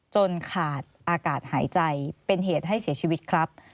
ขาดอากาศหายใจเป็นเหตุให้เสียชีวิตครับ